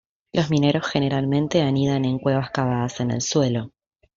Los mineros generalmente anidan en cuevas cavadas en el suelo.